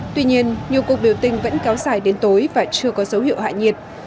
tuy nhiên nhiều cuộc biểu tình vẫn kéo dài đến tối và chưa có dấu hiệu hạ nhiệt